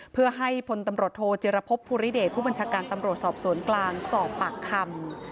เพื่อให้พลตำรวจโทจิรพบภูริเดชผู้บัญชาการตำรวจสอบสวนกลางสอบปากคำ